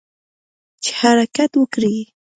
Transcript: چې حرکت وکړي.